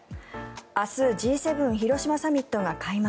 明日、Ｇ７広島サミットが開幕。